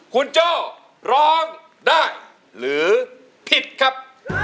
คุณโจ้ร้องได้หรือผิดครับ